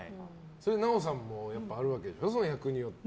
それで奈緒さんもあるわけですか、役によって。